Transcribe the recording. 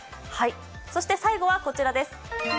そして最後はこちらです。